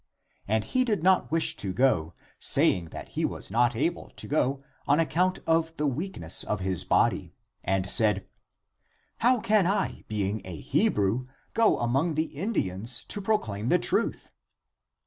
And he did not wish to go, saying that he was not able to go on account of the weakness of his body, and said, " How can I, being a Hebrew, go among the In dians to proclaim the truth